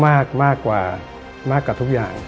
มากกว่ามากกว่าทุกอย่าง